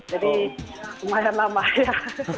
jadi lumayan lama ya